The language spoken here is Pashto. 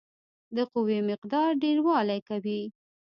د قوې مقدار ډیروالی کوي.